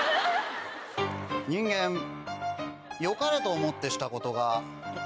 人間よかれと思ってしたことが